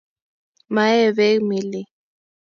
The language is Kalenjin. Maee beek Millie